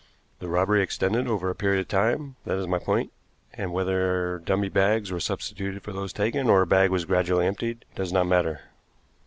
The robbery extended over a period of time, that is my point, and whether dummy bags were substituted for those taken, or a bag was gradually emptied, does not matter."